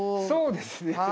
そうですね。